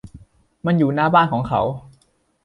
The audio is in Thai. มันอยู่หน้าบ้านของเขา